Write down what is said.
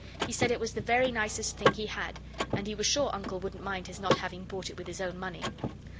He said it was the very nicest thing he had, and he was sure Uncle wouldn't mind his not having bought it with his own money.